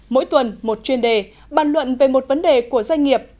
mỗi tuần một chuyên đề bàn luận về một vấn đề của doanh nghiệp